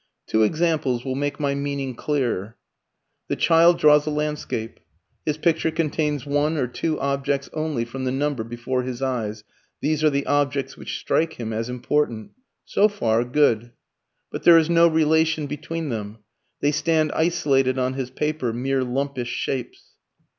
Two examples will make my meaning clearer. The child draws a landscape. His picture contains one or two objects only from the number before his eyes. These are the objects which strike him as important. So far, good. But there is no relation between them; they stand isolated on his paper, mere lumpish shapes.